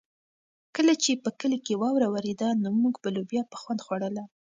کله چې په کلي کې واوره ورېده نو موږ به لوبیا په خوند خوړله.